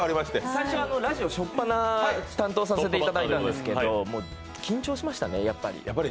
最初、ラジオ初っぱな担当させてもらったんですけど緊張しましたね、やっぱり。